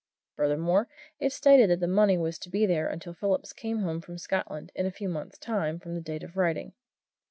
Furthermore, it stated that the money was to be there until Phillips came home to Scotland, in a few months' time from the date of writing.